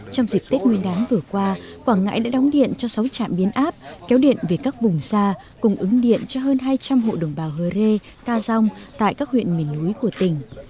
trong dịp tết nguyên đán vừa qua quảng ngãi đã đóng điện cho sáu trạm biến áp kéo điện về các vùng xa cung ứng điện cho hơn hai trăm linh hộ đồng bào hơ rê ca dông tại các huyện miền núi của tỉnh